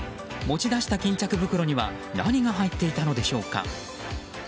持ち出した巾着袋には何が入っていたのでしょうか。